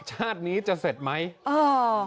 ชาตินี้จะเสร็จไหมเออ